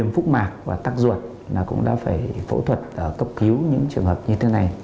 phúc mạc và tắc ruột cũng đã phải phẫu thuật cấp cứu những trường hợp như thế này